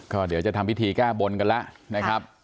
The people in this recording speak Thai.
ก็เดี๋ยวจะทำพิธีแก้บนกันแล้วนะครับ